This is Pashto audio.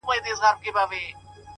ستا هغه رنگين تصوير؛